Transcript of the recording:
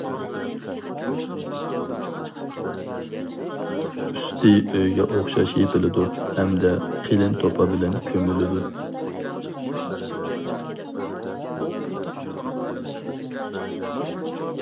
ئۈستى ئۆيگە ئوخشاش يېپىلىدۇ ھەمدە قېلىن توپا بىلەن كۆمۈلىدۇ.